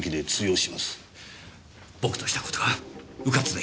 僕とした事がうかつでした。